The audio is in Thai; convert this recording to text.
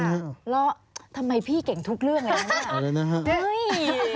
แล้วทำไมพี่เก่งทุกเรื่องเลยนะเนี่ย